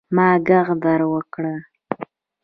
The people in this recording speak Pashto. ما ږغ در وکړئ.